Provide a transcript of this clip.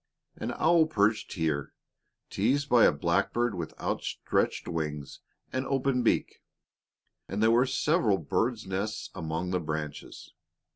An owl perched here, teased by a blackbird with outstretched wings and open beak, and there were several birds' nests among the branches.